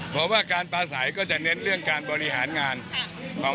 เพราะว่าการปลาใสก็จะเน้นเรื่องการบริหารงานของ